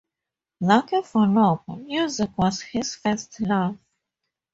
Luckily for Lobo, music was his first love.